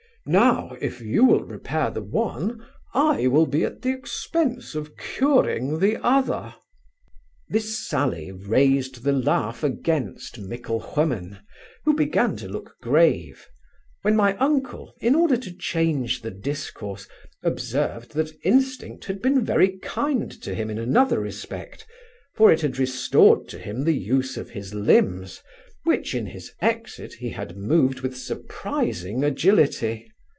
Now, if you will repair the one, I will be at the expence of curing the other.' This sally raised the laugh against Micklewhimmen, who began to look grave; when my uncle, in order to change the discourse, observed, that instinct had been very kind to him in another respect; for it had restored to him the use of his limbs, which, in his exit, he had moved with surprising agility.